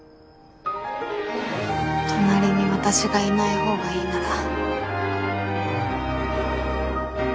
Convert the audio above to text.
隣に私がいない方がいいなら。